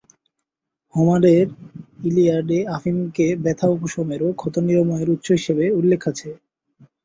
হোমারের - Iliad এ আফিমকে ব্যথা উপশমের ও ক্ষত নিরাময়ের উৎস হিসেবে উল্লেখ আছে।